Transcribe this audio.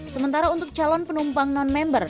sementara untuk calon penumpang non member